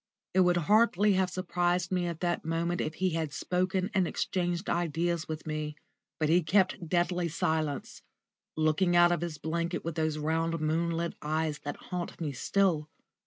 It would hardly have surprised me at that moment if he had spoken and exchanged ideas with me. But he kept deadly silence, looking out of his blanket with those round moon lit eyes that haunt me still.